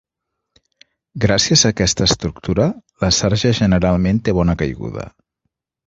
Gràcies a aquesta estructura, la sarja generalment té bona caiguda.